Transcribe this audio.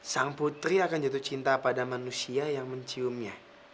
sang putri akan jatuh cinta pada manusia yang menciumnya